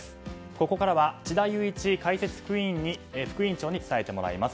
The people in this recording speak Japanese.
ここからは智田裕一解説副委員長に伝えてもらいます。